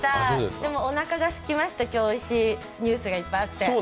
でもおなかがすきました、今日おいしいニュースがいっぱいあって。